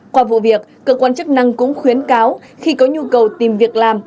qua vụ việc cơ quan chức năng cũng khuyến cáo khi có nhu cầu tìm việc làm